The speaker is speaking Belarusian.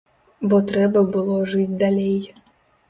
Бо трэба было жыць далей.